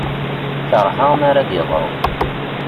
Kerheɣ mara d-yeḍru.